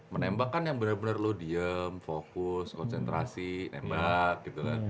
menembak kan yang benar benar lo diem fokus konsentrasi nembak gitu kan